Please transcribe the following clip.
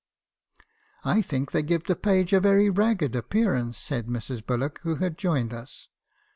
" 'I think they give the page a very ragged appearance,' said Mrs. Bullock, who had joined us.